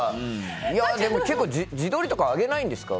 でも自撮りとか上げないんですか？